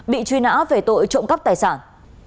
bị truy nã về tội trộm cắp tài sản